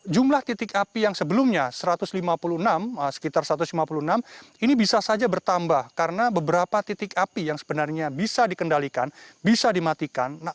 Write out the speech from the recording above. jumlah titik api yang sebelumnya satu ratus lima puluh enam sekitar satu ratus lima puluh enam ini bisa saja bertambah karena beberapa titik api yang sebenarnya bisa dikendalikan bisa dimatikan